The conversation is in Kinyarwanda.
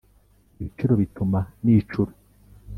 ibicuro bituma nicura